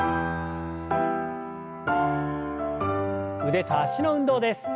腕と脚の運動です。